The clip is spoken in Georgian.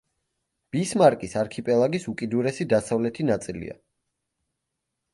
ბისმარკის არქიპელაგის უკიდურესი დასავლეთი ნაწილია.